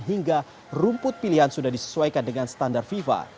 hingga rumput pilihan sudah disesuaikan dengan standar fifa